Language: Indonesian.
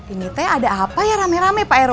ini teh ada apa ya rame rame pak ero